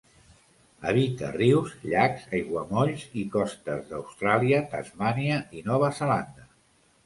Habita rius, llacs, aiguamolls i costes d'Austràlia, Tasmània i Nova Zelanda.